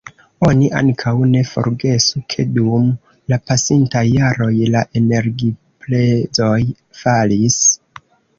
Oni ankaŭ ne forgesu ke dum la pasintaj jaroj la energiprezoj falis.